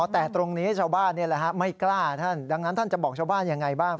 แต่ตรงนี้ชาวบ้านไม่กล้าท่านดังนั้นท่านจะบอกชาวบ้านยังไงบ้าง